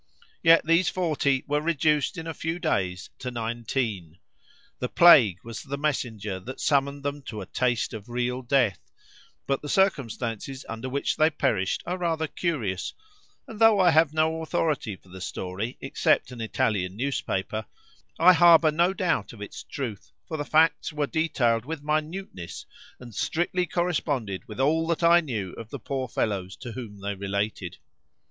Yet these forty were reduced in a few days to nineteen. The plague was the messenger that summoned them to a taste of real death; but the circumstances under which they perished are rather curious; and though I have no authority for the story except an Italian newspaper, I harbour no doubt of its truth, for the facts were detailed with minuteness, and strictly corresponded with all that I knew of the poor fellows to whom they related.